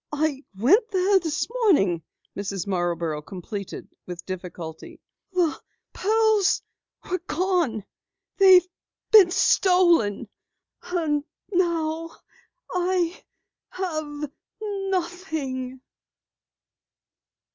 "I went there this morning," Mrs. Marborough completed with difficulty. "The pearls were gone. They've been stolen. Now I have nothing."